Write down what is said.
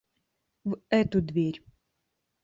В эту дверь.